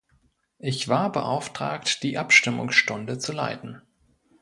Ich war beauftragt, die Abstimmungsstunde zu leiten.